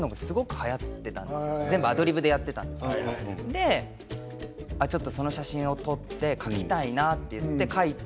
で「あっちょっとその写真を撮って描きたいな」って言って描いて。